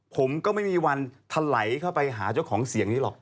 ผมก็ไม่มีวันทะไหลเข้าไปหาเจ้าของเสียงนี้หรอก